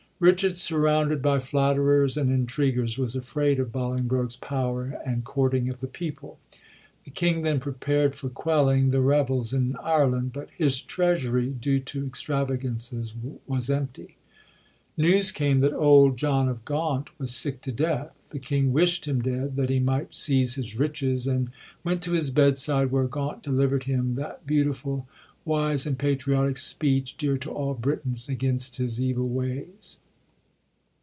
Richard, surrounded by flatterers and intriguers, was afraid of Bolingbroke*s power and courting of the people. The king then prepared for quelling the rebels in Ireland, but his treasury, due to extravagances, was empty. News came that old John of Gaunt was sick to death. The king wisht him dead that he might seize his riches, and went to his bedside, where Gaunt deliverd him that beautiful, wise and patriotic speech, dear to all Britons, against his evil ways.